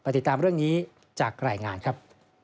ติดตามเรื่องนี้จากรายงานครับ